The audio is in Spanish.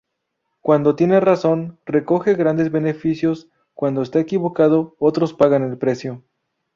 Cuando tiene razón, recoge grandes beneficios; cuando está equivocado, otros pagan el precio.